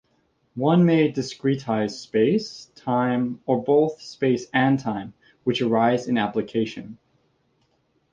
One may discretize space, time, or both space and time, which arise in application.